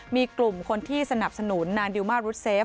มีกลุ่มคนที่สนับสนุนนางดิวมารุดเซฟ